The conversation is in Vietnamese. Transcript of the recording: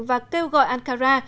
và kêu gọi ankara